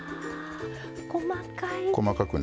あ細かい。